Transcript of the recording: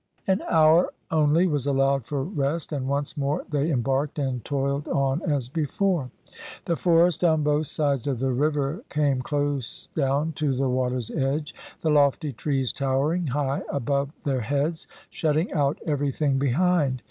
An hour only was allowed for rest, and once more they embarked and toiled on as before. The forest on both sides of the river came close down to the water's edge, the lofty trees towering high above their heads, shutting out everything behind.